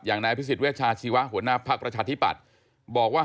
อย่างนายพิศิษฐ์เวชาชีวะหัวหน้าพักประชาธิบัติบอกว่า